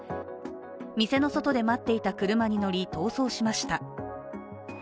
店の外で待っていた車に乗り逃走しました。